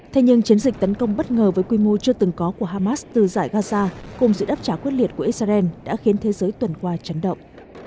thế nhưng chiến dịch tấn công bất ngờ với quy mô chưa từng có của hamas từ giải gaza cùng sự đáp trả quyết liệt của israel đã khiến thế giới tuần qua chấn động